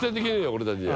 俺たちには。